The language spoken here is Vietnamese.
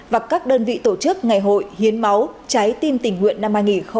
và các đơn vị tổ chức ngày hội hiến máu trái tim tình nguyện năm hai nghìn hai mươi